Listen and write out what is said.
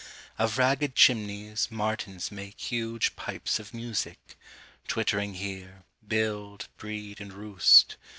3. Of ragged chimneys martins make Huge pipes of music; twittering here Build, breed, and roost.